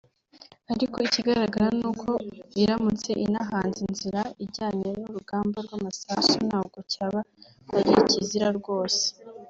ariko ikigaragara ni uko iramutse inahanze inzira ijyanye n’urugamba rw’amasasu ntabwo cyaba ari ikizira rwose